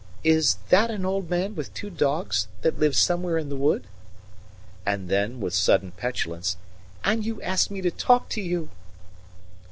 "Is that an old man with two dogs that lives somewhere in the wood?" And then, with sudden petulance: "And you ask me to talk to you!"